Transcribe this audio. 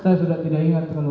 saya sudah tidak ingat